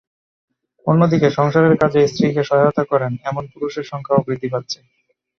অন্যদিকে, সংসারের কাজে স্ত্রীকে সহায়তা করেন, এমন পুরুষের সংখ্যাও বৃদ্ধি পাচ্ছে।